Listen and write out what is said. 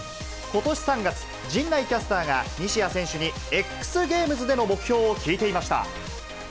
ことし３月、陣内キャスターが、西矢選手にＸゲームズでの目標を聞いていました。